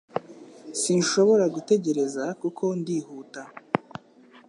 Sinshobora gutegereza kuko ndihuta.